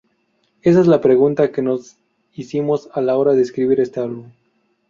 Ésa es la pregunta que nos hicimos a la hora de escribir este álbum.